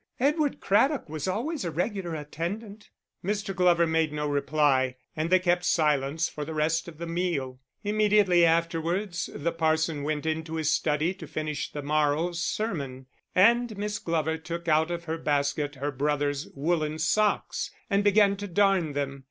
Edward Craddock was always a regular attendant." Mr. Glover made no reply, and they kept silence for the rest of the meal. Immediately afterwards the parson went into his study to finish the morrow's sermon, and Miss Glover took out of her basket her brother's woollen socks and began to darn them.